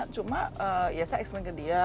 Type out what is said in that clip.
cuma ya saya exling ke dia